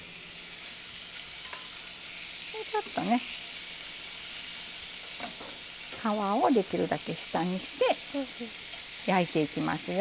でちょっとね皮をできるだけ下にして焼いていきますよ。